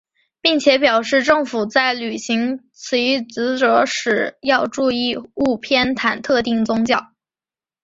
并且表示政府在履行此一职责时要注意勿偏袒特定宗教。